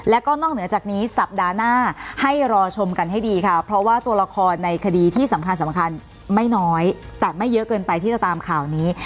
แล้วก็นอกเหนือจากนี้สัปดาห์หน้าให้รอชมกันให้ดีค่ะเพราะว่าตัวละครในคดีที่สำคัญสำคัญไม่น้อยแต่ไม่เยอะเกินไปที่จะตามข่าวนี้